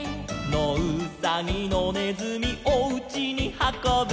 「のうさぎのねずみおうちにはこぶ」